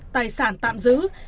tài sản tạm giữ